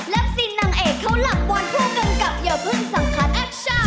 แล้วซีนนางเอกเขาหลับบวนผู้กันกับเยอะเพิ่งสังคัญแอคชั่น